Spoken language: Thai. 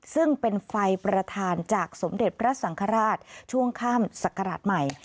ซึ่งเป็นไฟประธานจากสมเด็จพระสังฆราชช่วงข้ามศักราชใหม่